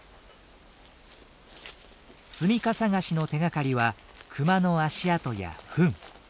住みか探しの手がかりはクマの足跡やフン。